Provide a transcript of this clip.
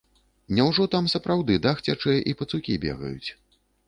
Няўжо там сапраўды дах цячэ і пацукі бегаюць?